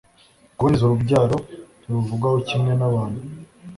kuboneza Urubyaro ntibivugwaho kimwe nabantu